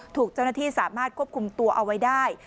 ถูกเจ้าหน้าที่สามารถควบคุมตัวเอาไว้ได้